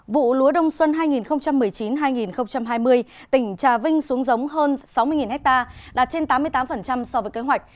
vụ lúa đông xuân hai nghìn một mươi chín hai nghìn hai mươi tỉnh trà vinh xuống giống hơn sáu mươi ha đạt trên tám mươi tám so với kế hoạch